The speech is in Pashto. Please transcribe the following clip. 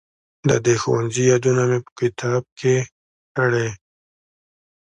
د دې ښوونځي یادونه مې په کتاب کې کړې.